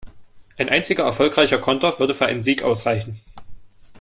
Ein einziger erfolgreicher Konter würde für einen Sieg ausreichen.